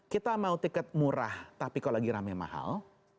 kita mau tiket murah tapi kalau lagi rame mahal